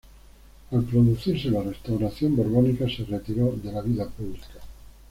Al producirse la Restauración borbónica se retiró de la vida pública.